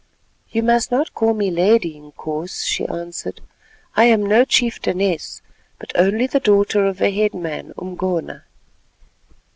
"You must not call me lady, Inkoos," she answered, "I am no chieftainess, but only the daughter of a headman, Umgona."